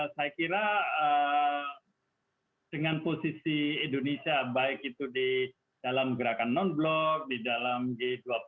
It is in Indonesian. saya kira dengan posisi indonesia baik itu di dalam gerakan non blok di dalam g dua puluh